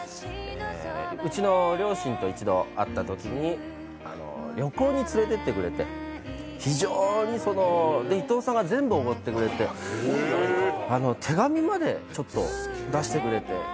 うちの両親と一度会ったときに旅行に連れてってくれて伊藤さんが全部おごってくれて手紙まで出してくれて。